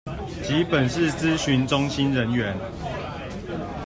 及本市諮詢中心人員